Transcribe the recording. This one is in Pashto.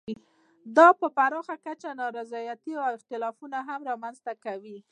دا په پراخه کچه نا رضایتۍ او اختلافونه هم رامنځته کوي.